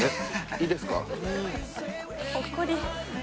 いいですか？